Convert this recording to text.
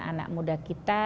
dan anak muda kita